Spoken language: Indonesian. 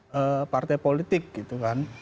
dari partai politik gitu kan